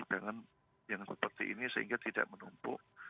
jangan seperti ini sehingga tidak menumpuk